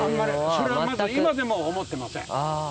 それは今でも思ってません。